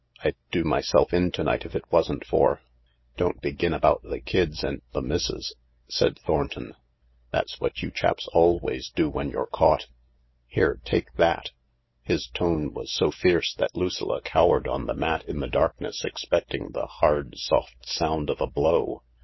I'd do myself in to night if it wasn't for "*' Don't begin about the kids and the missus/' said Thorn ton, " Tbat'$ what you chap always do when you're caught, 280 THE LARK Here, take that !" His tone was so fierce that Lucilla cowered on the mat in the darkness, expecting the hard soft sound of a blow.